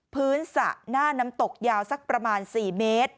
สระหน้าน้ำตกยาวสักประมาณ๔เมตร